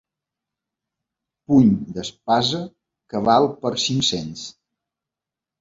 Puny d'espasa que val per cinc-cents.